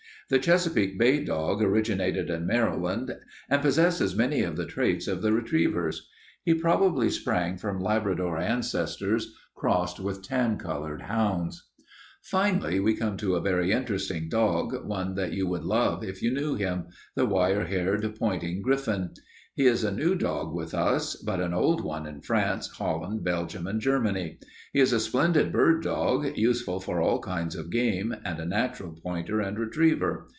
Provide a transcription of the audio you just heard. The Chesapeake Bay dog originated in Maryland and possesses many of the traits of the retrievers. He probably sprang from Labrador ancestors, crossed with tan colored hounds. "Finally we come to a very interesting dog, one that you would love if you knew him the wire haired pointing griffon. He is a new dog with us, but an old one in France, Holland, Belgium, and Germany. He is a splendid bird dog, useful for all kinds of game, and a natural pointer and retriever.